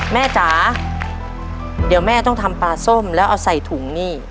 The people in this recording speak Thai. จ๋าเดี๋ยวแม่ต้องทำปลาส้มแล้วเอาใส่ถุงนี่